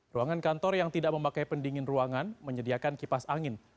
ruangan kantor yang tidak memakai pendingin ruangan menyediakan kipas angin